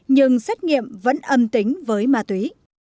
nhưng xét nghiệm vẫn âm tính với ma túy